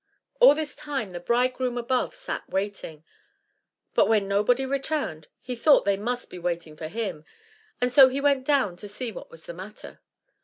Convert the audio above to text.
All this time the bridegroom above sat waiting, but when nobody returned, he thought they must be waiting for him, and so he went down to see what was the matter.